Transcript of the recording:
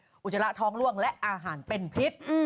ที่ใช้ดอหะเคียงโต๊งและอาหารเป็นพิษ